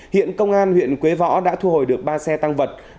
hiện công an huyện quế võ đã thu hồi được ba xe tăng vật